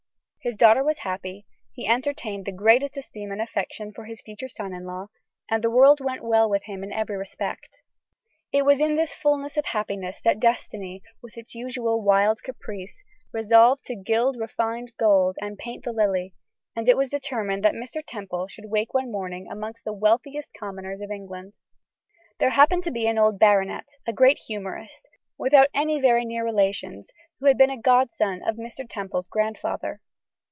His daughter was happy, he entertained the greatest esteem and affection for his future son in law, and the world went well with him in every respect. It was in this fulness of happiness that destiny, with its usual wild caprice, resolved 'to gild refined gold and paint the lily;' and it was determined that Mr. Temple should wake one morning among the wealthiest commoners of England. There happened to be an old baronet, a great humourist, without any very near relations, who had been a godson of Mr. Temple's grandfather.